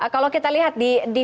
kalau kita lihat di